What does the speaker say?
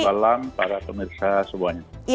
selamat malam para pemirsa semuanya